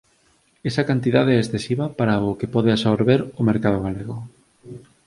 Esa cantidade é excesiva para o que pode absorver o mercado galego.